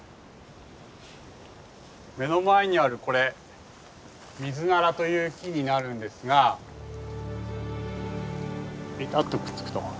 目の前にあるこれミズナラという木になるんですがベタッとくっつくと。